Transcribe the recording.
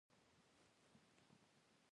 دوکاندار د اختر ورځو کې خیرات زیاتوي.